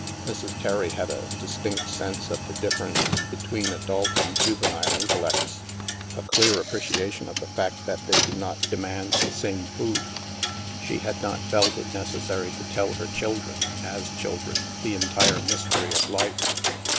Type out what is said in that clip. Mrs. Terry had a distinct sense of the difference between adult and juvenile intellects, a clear appre ciation of the fact that they do not demand the 52 THE MASK same food. She had not felt it necessary to tell her children, as children, the entire mystery of life.